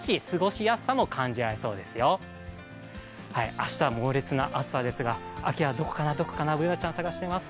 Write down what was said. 明日は猛烈な暑さですが秋はどこかな、どこかなＢｏｏｎａちゃん、探しています。